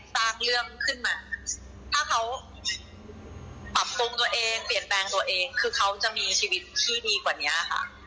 สร้างเรื่องขึ้นมา